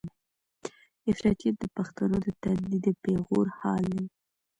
افراطيت د پښتنو د تندي د پېغور خال دی.